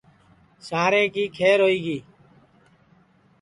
ساریں کی کھیر ہوئی گی